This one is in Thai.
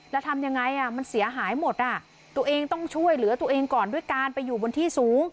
แล้วทำยังไงมันเสียหายหมดอ่ะตัวเองต้องช่วยเหลือตัวเองก่อนด้วยการไปอยู่บนที่สูง